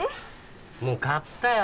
もう買ったよ